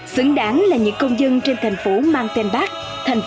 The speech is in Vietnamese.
xứng đáng là những công dân trên thành phố mang tên bắc thành phố anh hùng